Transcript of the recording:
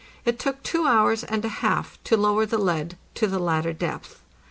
It took two hours and a half to lower the lead to the latter depth.